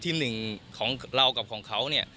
ทีม๑ของเรากับของเขาเนี่ย